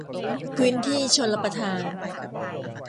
พื้นที่ชลประทาน